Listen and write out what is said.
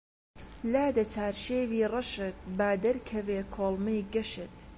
لادە چارشێوی ڕەشت با دەرکەوێ کوڵمەی گەشت